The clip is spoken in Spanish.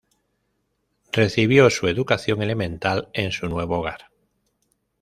Recibió su educación elemental en su nuevo hogar.